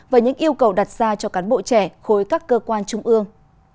và những yêu cầu đặt ra cho cán bộ trẻ khối các cơ quan trung ương